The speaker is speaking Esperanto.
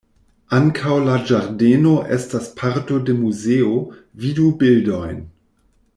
Ankaŭ la ĝardeno estas parto de muzeo, vidu bildojn.